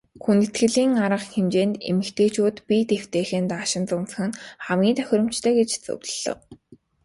Хүндэтгэлийн арга хэмжээнд эмэгтэйчүүд биед эвтэйхэн даашинз өмсөх нь хамгийн тохиромжтой гэж зөвлөлөө.